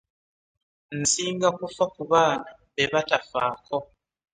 Nsinga kufa ku baana be batafaako.